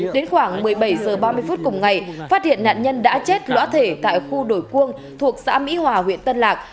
đến khoảng một mươi bảy h ba mươi phút cùng ngày phát hiện nạn nhân đã chết lõa thể tại khu đổi cuông thuộc xã mỹ hòa huyện tân lạc